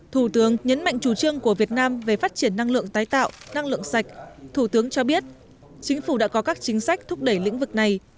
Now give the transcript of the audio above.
thủ tướng nhấn mạnh chủ trương của việt nam về phát triển năng lượng tái tạo năng lượng sạch thủ tướng cho biết chính phủ đã có các chính sách thúc đẩy lĩnh vực này